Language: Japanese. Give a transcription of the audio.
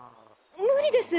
無理です。